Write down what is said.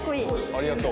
ありがとう。